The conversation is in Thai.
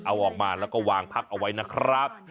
เอาออกมาแล้วก็วางพักเอาไว้นะครับ